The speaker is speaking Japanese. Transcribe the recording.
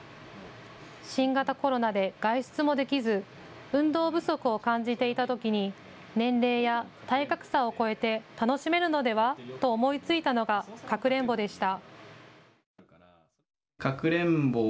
新型コロナで外出もできず運動不足を感じていたときに年齢や体格差を超えて楽しめるのではと思いついたのがかくれんぼでした。